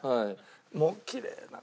もうきれいな。